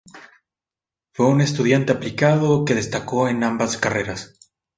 Fue un estudiante aplicado que destacó en ambas carreras.